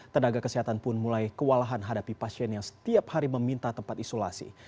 tenaga kesehatan pun mulai kewalahan hadapi pasien yang setiap hari meminta tempat isolasi